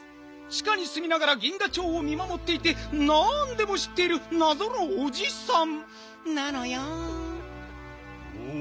ちかにすみながら銀河町を見まもっていてなんでもしっているなぞのおじさんなのよん。